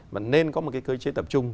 mà nên có một cơ chế tập trung